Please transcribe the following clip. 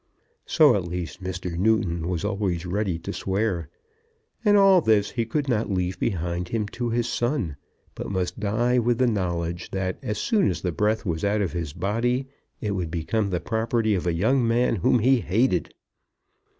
So at least Mr. Newton was always ready to swear. And all this he could not leave behind him to his son; but must die with the knowledge, that as soon as the breath was out of his body, it would become the property of a young man whom he hated!